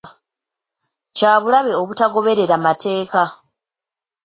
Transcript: Kya bulabe obutagoberera mateeka?